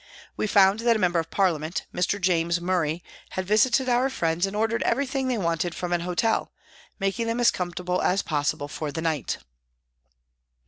We found that a Member of Parliament, Mr. James Murray, had visited our friends and ordered everything they wanted from an hotel, making them as comfortable as possible for the night.